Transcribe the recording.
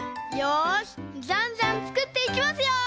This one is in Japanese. よしじゃんじゃんつくっていきますよ！